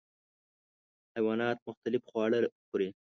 حیوانات مختلف خواړه خوري.